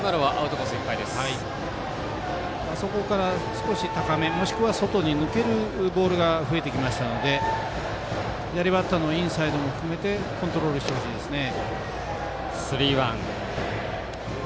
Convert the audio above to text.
少し高めもしくは外に抜けるボールが増えてきましたので左バッターのインサイドを含めてコントロールしてほしいですね。